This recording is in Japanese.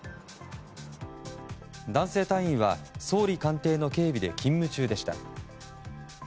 男性隊員は総理官邸の警備で勤務中でした。